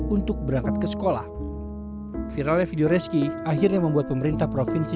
untuk berangkat ke sekolah viralnya video reski akhirnya membuat pemerintah provinsi